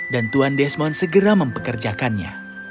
dan tuan desmond segera mempekerjakannya